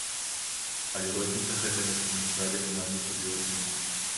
Але розніца гэтая на самой справе не надта сур'ёзная.